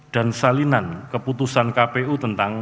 dan salinan keputusan kpu tentang